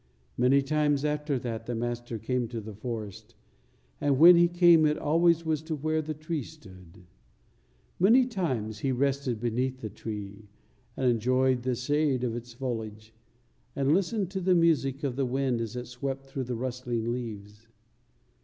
Many times after that the Master came to the forest, and when He came it always was to where the tree stood. Many times He rested beneath the tree and enjoyed the shade of its foliage, and listened to the music of the wind as it swept through the rustling leaves.